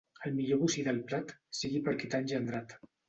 El millor bocí del plat sigui per qui t'ha engendrat.